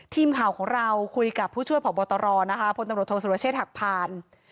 ทีมข่าวของเราคุยกับผู้ช่วยพบตรนะคะพตรศุรเชษฐ์หักพาน